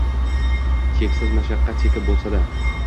cheksiz mashaqqat chekib bo‘lsa-da